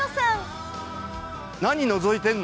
何のぞいてんの？